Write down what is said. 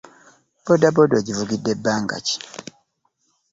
Boodabooda ogivugidde bbanga ki?